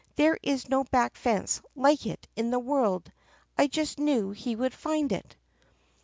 There is no back fence like it in the world; I just knew he would find it!"